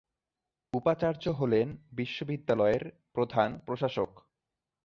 উপাচার্য হলেন বিশ্ববিদ্যালয়ের প্রধান প্রশাসক।